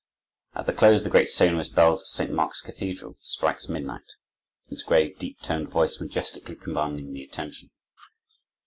At the close, the great, sonorous bell of St. Mark's Cathedral strikes midnight, its grave, deep toned voice majestically commanding the attention.